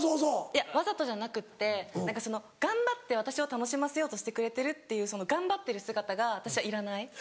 いやわざとじゃなくって何かその頑張って私を楽しませようとしてくれてるっていうその頑張ってる姿が私はいらない。